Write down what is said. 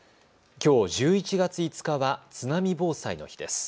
きょう１１月５日は津波防災の日です。